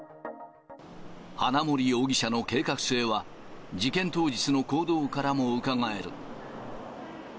花森容疑者の計画性は、事件当日の行動からもうかがえる。